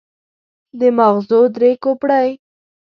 د ماغزو درې کوپړۍ.